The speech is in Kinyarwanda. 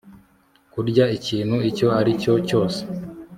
kurya ikintu icyo aricyo cyose